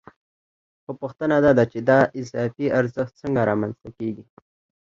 خو پوښتنه دا ده چې دا اضافي ارزښت څنګه رامنځته کېږي